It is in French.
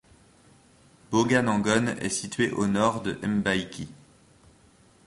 Boganangone est située à au nord de Mbaïki.